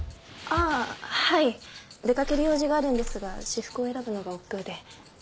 あぁはい出掛ける用事があるんですが私服を選ぶのが億劫で。